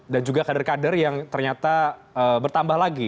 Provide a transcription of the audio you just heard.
dan juga kader kader yang ternyata bertambah lagi